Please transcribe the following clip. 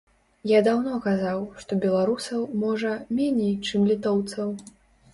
Я даўно казаў, што беларусаў, можа, меней, чым літоўцаў.